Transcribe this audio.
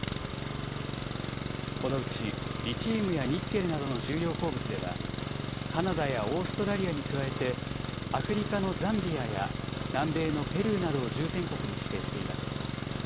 このうち、リチウムやニッケルなどの重要鉱物では、カナダやオーストラリアに加えて、アフリカのザンビアや南米のペルーなどを重点国に指定しています。